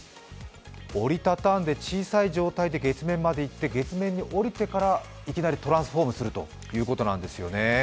折り畳んで小さい状態で月面まで行って月面に降りてからいきなりトランスフォームするということなんですよね。